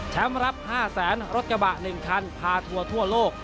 รับ๕แสนรถกระบะ๑คันพาทัวร์ทั่วโลก